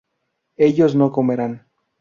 ellas no comerán